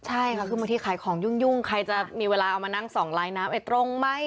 ใช่เขาก็ขึ้นมาที่ขายของยุ่งใครจะมีเวลาเอามานั่งสองลายน้ำไอตรงไหม